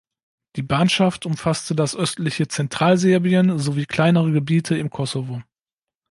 Die Banschaft umfasste das östliche Zentralserbien sowie kleinere Gebiete im Kosovo.